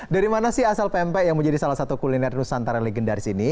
dari mana sih asal pempek yang menjadi salah satu kuliner nusantara yang legendaris ini